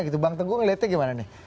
gitu bang tenggung lihatnya gimana nih